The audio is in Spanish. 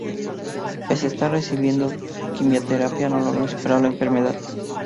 Pese a estar recibiendo quimioterapia no logró superar la enfermedad.